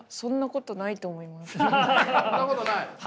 そんなことない？